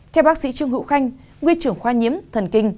theo bác sĩ trương hữu khanh nguyên trưởng khoa nhiễm thần kinh